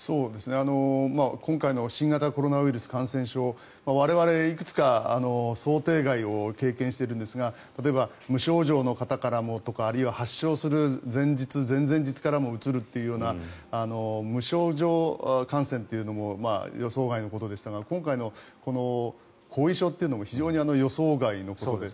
今回の新型コロナウイルス感染症我々、いくつか想定外を経験しているんですが例えば無症状の方からもとかあるいは発症する前日、前々日からうつるというような無症状感染というのも予想外のことでしたが今回の後遺症というのも非常に予想外のことで。